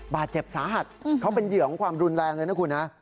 บาดเจ็บสาหัสเขาเป็นเหยื่อของความรุนแรงเลยนะคุณนะ